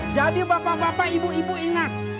jadi bapak bapak ibu ibu ingat